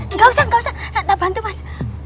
nggak usah nggak usah tak bantu mas